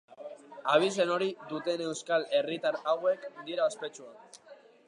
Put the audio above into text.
Abizen hori duten euskal herritar hauek dira ospetsuak.